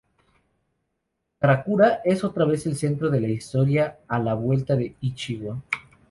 Karakura es otra vez el centro de la historia a la vuelta de Ichigo.